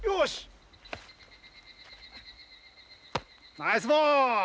ナイスボール！